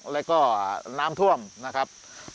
แล้วก็น้ำท่วมนะครับ